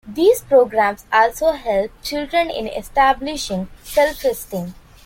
These programs also help children in establishing self-esteem.